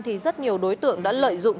thì rất nhiều đối tượng đã lợi dụng